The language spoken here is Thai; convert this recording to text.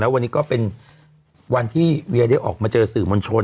วันนี้ก็เป็นวันที่เวียได้ออกมาเจอสื่อมวลชน